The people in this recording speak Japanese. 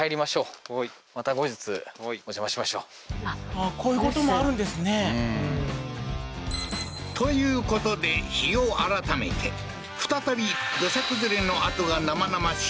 はいこういうこともあるんですねうんということで日を改めて再び土砂崩れの跡が生々しい